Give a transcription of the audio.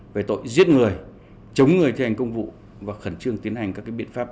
về tội giết người chống người thi hành công vụ và khẩn trương tiến hành các biện pháp